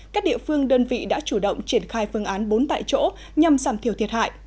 các địa phương đơn vị đã chủ động triển khai phương án bốn tại chỗ nhằm giảm thiểu thiệt hại